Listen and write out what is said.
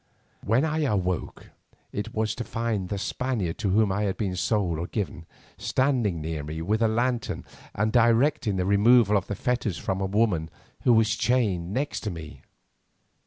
When I awoke it was to find the Spaniard to whom I had been sold or given, standing near me with a lantern and directing the removal of the fetters from a woman who was chained next to me.